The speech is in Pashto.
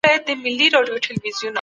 لنډۍ د پښتو ځانګړی ژانر دی.